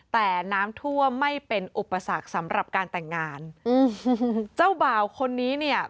แต่น้ำท่วมไม่เป็นอุปสรรคสำหรับการแต่งงานอืมเจ้าบ่าวคนนี้เนี่ย